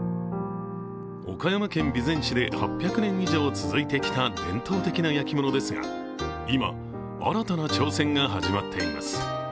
岡山県備前市で８００年以上続いてきた伝統的な焼き物ですが今、新たな挑戦が始まっています。